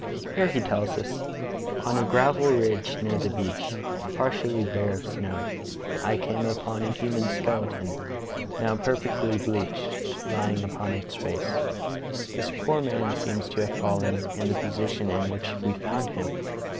Here he tells us: "On a gravel ridge near the Heroic Devotion of Lady Jane Franklin 183 beach, partially bare of snow, I came upon a human skeleton, now perfectly bleached, lying upon its face. This poor man seems to have fallen in the position in which we found him.